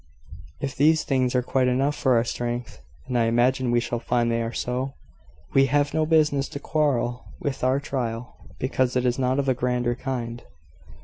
If these things are quite enough for our strength (and I imagine we shall find they are so), we have no business to quarrel with our trial because it is not of a grander kind.